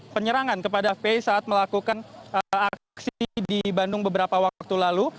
penyerangan kepada fpi saat melakukan aksi di bandung beberapa waktu lalu